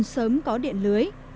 sớm có điện lưới